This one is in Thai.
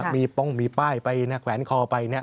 มีป้องมีป้ายไปแขวนคอไป